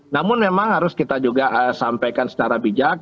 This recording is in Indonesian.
namun memang harus kita juga sampaikan secara bijak